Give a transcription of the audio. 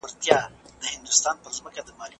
بهرنی سياست د هيوادونو ملي ګټي ساتي.